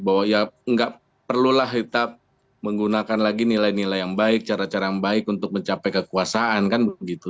bahwa ya nggak perlulah kita menggunakan lagi nilai nilai yang baik cara cara yang baik untuk mencapai kekuasaan kan begitu